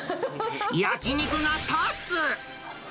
焼き肉が立つ！